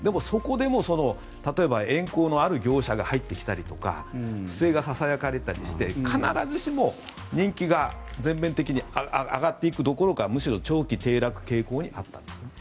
そこでも縁故のある業者が入ってきたりとか不正がささやかれたりして必ずしも人気が全面的に上がっていくどころかむしろ長期低落傾向にあったんです。